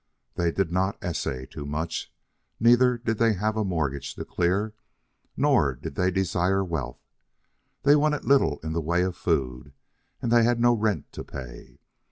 They did not essay too much. Neither did they have a mortgage to clear, nor did they desire wealth. They wanted little in the way of food, and they had no rent to pay.